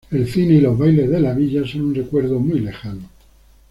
El cine y los bailes de la villa son un recuerdo muy lejano.